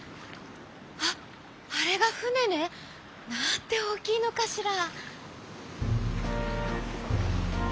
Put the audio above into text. あっあれがふねね。なんておおきいのかしら」。